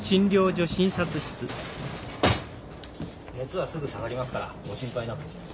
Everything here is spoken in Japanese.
熱はすぐ下がりますからご心配なく。